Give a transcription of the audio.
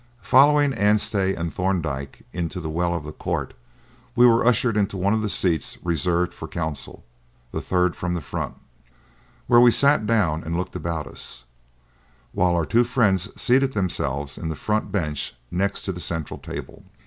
Following Anstey and Thorndyke into the well of the court, we were ushered into one of the seats reserved for counsel the third from the front where we sat down and looked about us, while our two friends seated themselves in the front bench next to the central table.